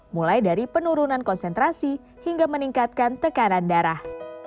mulai dari penurunan konsentrasi hingga meningkatkan tekanan darah